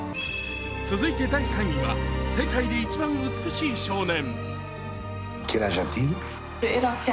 続いて第３位は「世界で一番美しい少年」。